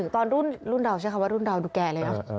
ตอนรุ่นดาวดูแก่เลยนะ